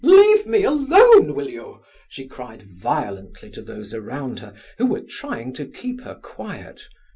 "Leave me alone, will you?" she cried violently to those around her, who were trying to keep her quiet.